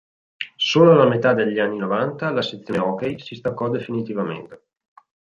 Solo alla metà degli anni novanta la sezione hockey si staccò definitivamente.